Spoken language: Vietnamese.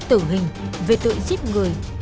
tử hình về tội giết người